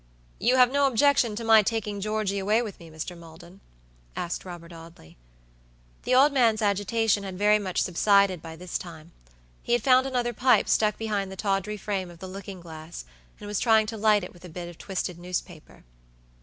"You have no objection to my taking Georgey away with me, Mr. Maldon?" asked Robert Audley. The old man's agitation had very much subsided by this time. He had found another pipe stuck behind the tawdry frame of the looking glass, and was trying to light it with a bit of twisted newspaper.